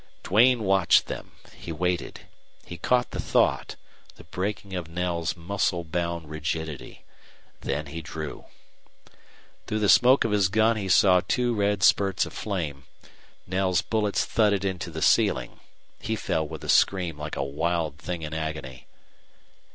Duane watched them. He waited. He caught the thought the breaking of Knell's muscle bound rigidity. Then he drew. Through the smoke of his gun he saw two red spurts of flame. Knell's bullets thudded into the ceiling. He fell with a scream like a wild thing in agony.